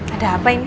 ada apa ini